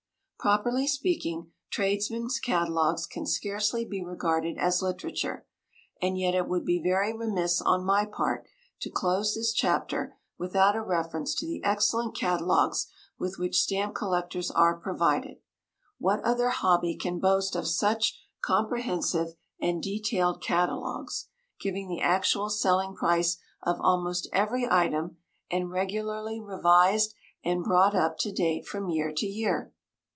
Properly speaking, tradesmen's catalogues can scarcely be regarded as literature, and yet it would be very remiss on my part to close this chapter without a reference to the excellent catalogues with which stamp collectors are provided. What other hobby can boast of such comprehensive and detailed catalogues, giving the actual selling price of almost every item, and regularly revised and brought up to date from year to year?